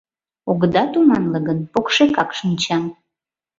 — Огыда туманле гын, покшекак шинчам.